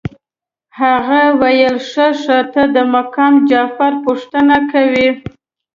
هغه ویل ښه ښه ته د مقام جعفر پوښتنه کوې.